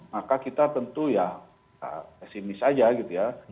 maka kita tentu ya pesimis aja gitu ya